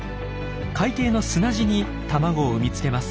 海底の砂地に卵を産み付けます。